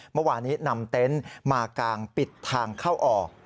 เมื่อวานนี้นำเต็นต์มากางปิดทางเข้าออก